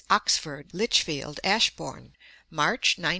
Oxford, Lichfield, Ashbourn, March 19 29.